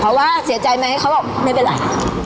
เพราะว่าเสียใจไหมเขาบอกไม่เป็นไร